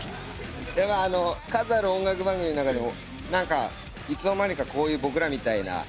数ある音楽番組の中でもいつの間にかこういう僕らみたいな。